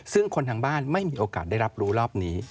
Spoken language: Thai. ซึ่งคนทางบ้านไม่มีโอกาสได้รับรู้รอบนี้